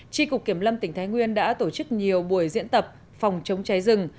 tri cục kiểm lâm tỉnh thái nguyên đã tổ chức nhiều buổi diễn tập phòng chống cháy rừng